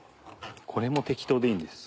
これも適当でいいんです。